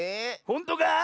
ほんとか⁉